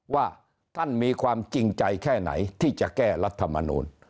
ว่าท่านมีความจริงใจแค่ไหนที่จะแก้รัฐมนูล